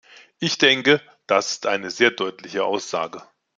Ich denke, das ist eine sehr deutliche Aussage.